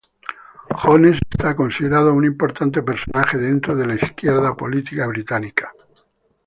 Jones está considerado un importante personaje dentro de la izquierda política británica.